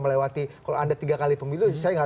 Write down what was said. melewati kalau anda tiga kali pemilu saya nggak